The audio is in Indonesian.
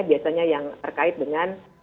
biasanya yang terkait dengan